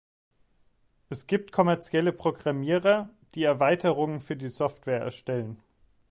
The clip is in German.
Es gibt kommerzielle Programmierer, die Erweiterungen für die Software erstellen.